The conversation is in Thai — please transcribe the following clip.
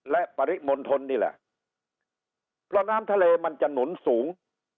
และปริมณฑลนี่แหละเพราะน้ำทะเลมันจะหนุนสูง